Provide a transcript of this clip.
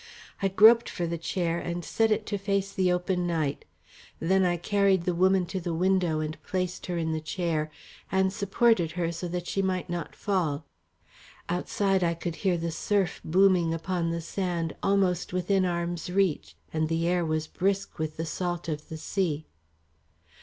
I groped for the chair and set it to face the open night. Then I carried the woman to the window and placed her in the chair, and supported her so that she might not fall. Outside I could hear the surf booming upon the sand almost within arm's reach, and the air was brisk with the salt of the sea.